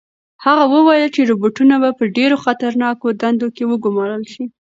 هغه وویل چې روبوټونه به په ډېرو خطرناکو دندو کې وګمارل شي.